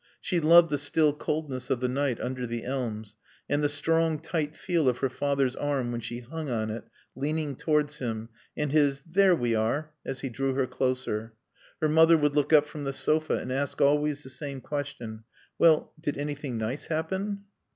She loved the still coldness of the night under the elms, and the strong, tight feel of her father's arm when she hung on it leaning towards him, and his "There we are" as he drew her closer. Her mother would look up from the sofa and ask always the same question, "Well, did anything nice happen?"